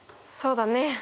そうだね。